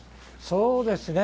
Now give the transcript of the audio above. そうですね